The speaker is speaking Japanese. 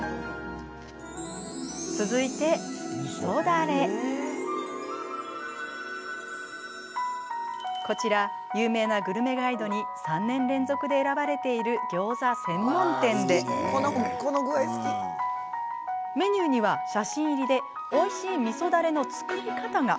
続いてこちら有名なグルメガイドに３年連続で選ばれているギョーザ専門店でメニューには写真入りでおいしいみそだれの作り方が。